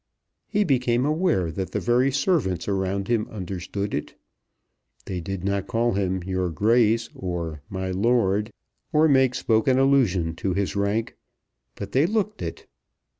He became aware that the very servants around him understood it. They did not call him "your grace" or "my Lord," or make spoken allusion to his rank; but they looked it.